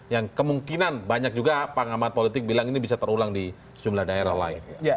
yang kemungkinan banyak juga pengamat politik bilang ini bisa terulang di sejumlah daerah lain